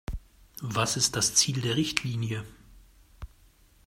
Was ist das Ziel der Richtlinie?